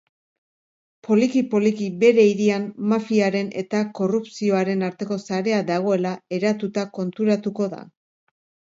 Poliki poliki bere hirian mafiaren eta korrupzioaren arteko sarea dagoela eratuta konturatuko da.